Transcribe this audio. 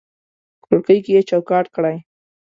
په کړکۍ کې یې چوکاټ کړي